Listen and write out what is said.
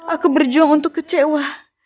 aku berjuang untuk kecewa